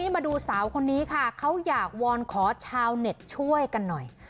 มาดูสาวคนนี้ค่ะเขาอยากวอนขอชาวเน็ตช่วยกันหน่อย